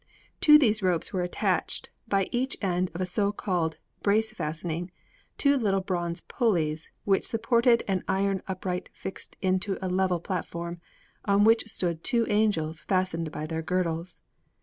To these ropes were attached, by each end of a so called brace fastening, two little bronze pulleys which supported an iron upright fixed into a level platform, on which stood two angels fastened by their girdles.